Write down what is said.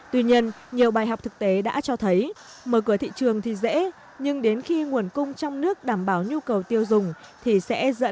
tuy nhiên nhiều bài học thực tế đã cho thấy mở cửa thị trường thì dễ nhưng đến khi nguồn cung trong nước đảm bảo nhu cầu tiêu dùng